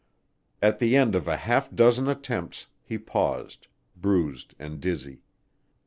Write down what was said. At the end of a half dozen attempts, he paused, bruised and dizzy.